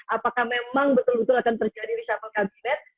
apakah memang betul betul akan terjadi reshuffle kabinet